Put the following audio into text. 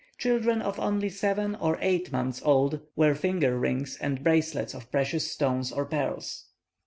Children of only seven or eight months old, wear finger rings and bracelets of precious stones or pearls.